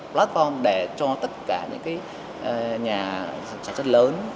platform để cho tất cả những nhà sản xuất lớn